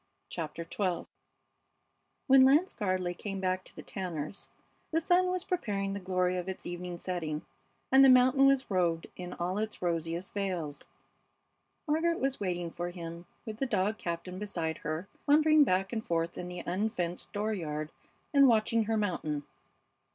CHAPTER XII When Lance Gardley came back to the Tanners' the sun was preparing the glory of its evening setting, and the mountain was robed in all its rosiest veils. Margaret was waiting for him, with the dog Captain beside her, wandering back and forth in the unfenced dooryard and watching her mountain.